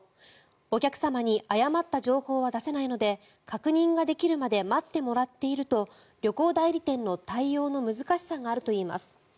お客様に誤った情報は出せないので確認ができるまで待ってもらっていると旅行代理店の対応の難しさがあるといいます。